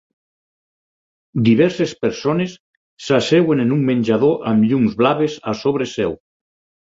Diverses persones s'asseuen en un menjador amb llums blaves a sobre seu.